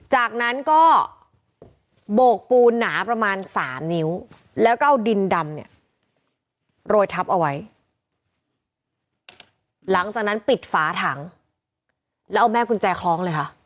จากนั้นก็โบกปูนหนาประมาณสามนิ้วแล้วก็เอาดินดำเนี่ยโรยทับเอาไว้หลังจากนั้นปิดฝาถังแล้วเอาแม่กุญแจคล้องเลยค่ะ